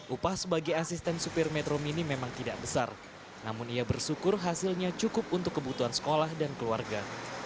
upah sebagai asisten supir metro mini memang tidak besar namun ia bersyukur hasilnya cukup untuk kebutuhan sekolah dan keluarga